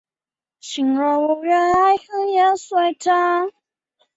黑暗豹蛛为狼蛛科豹蛛属的动物。